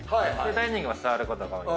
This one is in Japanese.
ダイニングは座ることが多い。